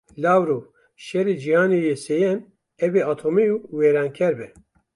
Lavrov; şerê cîhanê yê sêyem ew ê atomî û wêranker be.